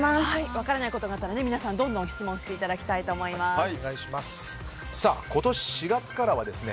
分からないことがあったら皆さんどんどん質問していただきたいと思います。